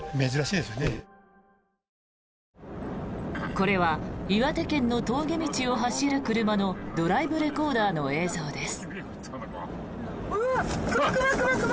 これは岩手県の峠道を走る車のドライブレコーダーの映像です。